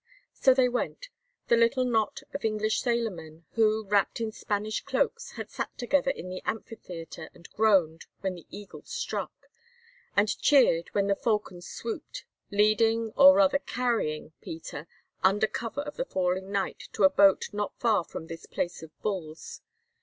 So they went, the little knot of English sailormen, who, wrapped in Spanish cloaks, had sat together in the amphitheatre and groaned when the Eagle struck, and cheered when the Falcon swooped, leading, or rather carrying Peter under cover of the falling night to a boat not far from this Place of Bulls.